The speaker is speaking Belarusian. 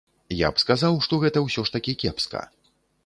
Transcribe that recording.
Я б сказаў, што гэта ўсё ж такі кепска.